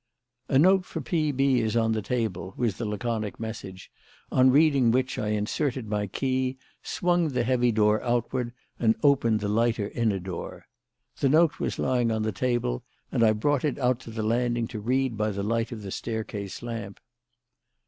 "A note for P.B. is on the table," was the laconic message: on reading which I inserted my key, swung the heavy door outward, and opened the lighter inner door. The note was lying on the table and I brought it out to the landing to read by the light of the staircase lamp.